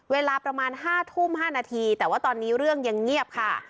เวลาประมาณ๕ทุ่ม๕นาทีแต่ว่าตอนนี้เรื่องยังเงียบค่ะ